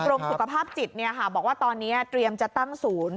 สุขภาพจิตบอกว่าตอนนี้เตรียมจะตั้งศูนย์